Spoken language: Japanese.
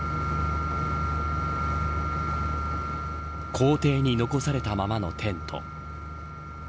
校庭に残されたままのテント。